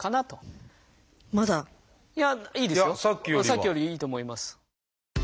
さっきよりいいと思います。